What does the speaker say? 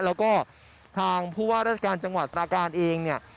แล้วก็ทางผู้ว่าราชการจังหวัดตราการเองเนี่ย